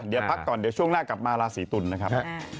เดี๋ยวพักก่อนเดี๋ยวช่วงหน้ากลับมาราศีตุลนะครับ